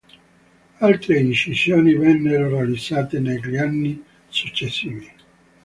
Altre incisioni vennero realizzate negli anni successivi.